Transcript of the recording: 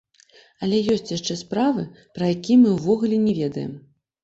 Але ёсць яшчэ справы, пра якія мы ўвогуле не ведаем.